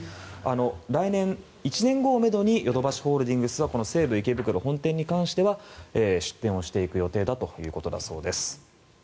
来年、１年後をめどにヨドバシホールディングスは西武池袋本店に関しては出店をしていく予定だということです。